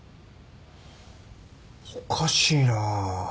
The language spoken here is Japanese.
おかしいな。